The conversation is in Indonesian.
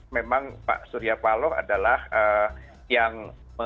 memang pak surya paloh adalah yang